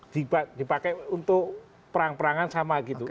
dipakai untuk perang perangan sama gitu